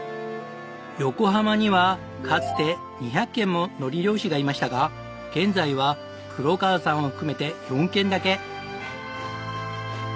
横浜にはかつて２００軒も海苔漁師がいましたが現在は黒川さんを含めて４軒だけ。